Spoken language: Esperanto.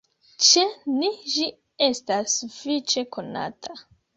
Ĉe ni ĝi estas sufiĉe konata.